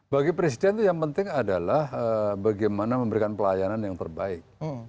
bagi presiden itu yang penting adalah bagaimana memberikan pelayanan yang terbaik